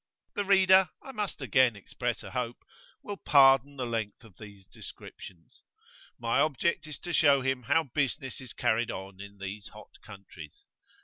The reader, I must again express a hope, will pardon the length of these descriptions, my object is to show him how business is carried on in these hot countries.